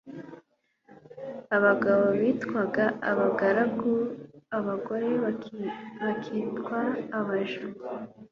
abagabo bitwaga abagaragu, abagore bakirwa abaja